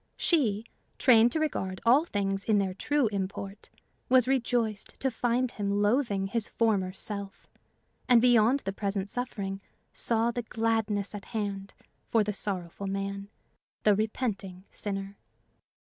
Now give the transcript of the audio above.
She, trained to regard all things in their true import, was rejoiced to find him loathing his former self, and beyond the present suffering saw the gladness at hand for the sorrowful man, the repenting sinner.